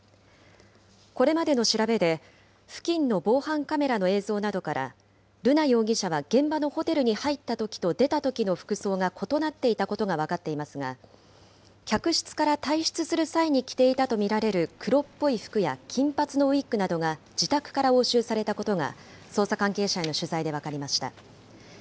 これまでの調べで、付近の防犯カメラの映像などから、瑠奈容疑者は現場のホテルに入ったときと出たときの服装が異なっていたことが分かっていますが、客室から退出する際に着ていたとみられる黒っぽい服や金髪のウイッグなどが自宅から押収されたことが、捜査関係者への取材で分かりました。